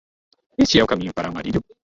Este é o caminho para Amarillo?